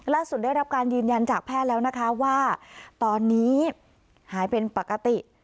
ได้รับการยืนยันจากแพทย์แล้วนะคะว่าตอนนี้หายเป็นปกติ